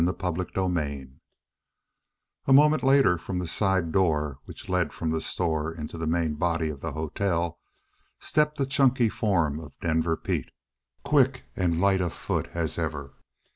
CHAPTER 30 A moment later, from the side door which led from the store into the main body of the hotel, stepped the chunky form of Denver Pete, quick and light of foot as ever.